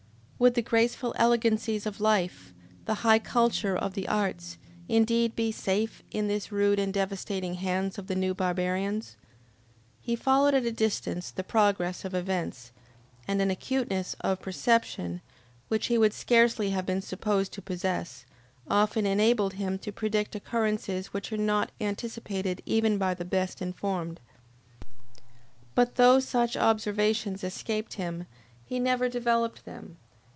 Would the graceful elegancies of life, the high culture of the arts, indeed be safe in the rude and devastating hands of the new barbarians? He followed at a distance the progress of events, and an acuteness of perception, which he would scarcely have been supposed to possess, often enabled him to predict occurrences which were not anticipated even by the best informed. But though such observations escaped him, he never developed them.